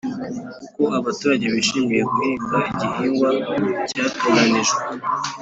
Uko abaturage bishimiye guhinga igihingwa cyatoranijwe